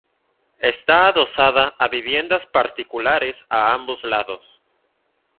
Está adosada a viviendas particulares a ambos lados.